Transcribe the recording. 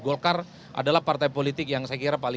golkar adalah partai politik yang saya kira paling